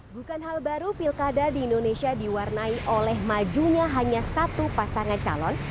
bukan hal baru pilkada di indonesia diwarnai oleh majunya hanya satu pasangan calon